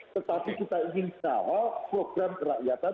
tetapi kita ingin kawal program kerakyatan